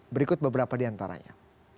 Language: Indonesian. berikut beberapa di antaranya